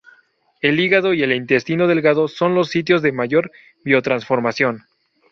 El hígado y el intestino delgado son los sitios de mayor biotransformación.